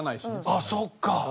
あっそっか。